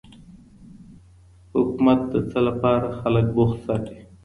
حکومت د څه لپاره خلګ بوخت ساتي؟